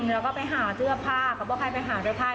แล้วก็ไปหาเจื้อภาพเขาก็ไปหาเจื้อภาพ